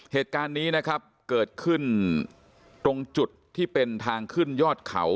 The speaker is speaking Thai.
เหตุการณ์นี้นะครับเกิดขึ้นตรงจุดที่เป็นทางขึ้นยอดเขา